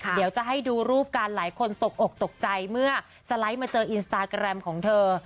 เดี๋ยวจะให้ดูรูปกันหลายคนตกอกตกใจเมื่อสไลด์มาเจออินสตาแกรมของเธอ